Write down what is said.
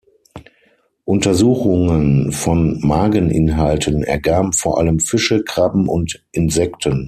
Untersuchungen von Mageninhalten ergaben vor allem Fische, Krabben und Insekten.